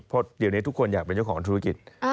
เพราะเดี๋ยวนี้ทุกคนอยากเป็นเจ้าของธุรกิจ